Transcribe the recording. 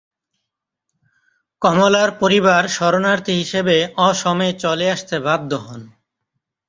কমলার পরিবার শরণার্থী হিসেবে অসমে চলে আসতে বাধ্য হন।